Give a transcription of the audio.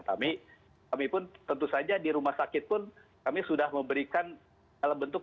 kami pun tentu saja di rumah sakit pun kami sudah memberikan dalam bentuk